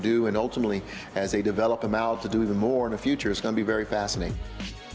dan akhirnya ketika mereka memperkembangkannya untuk melakukan lebih banyak di masa depan akan sangat menarik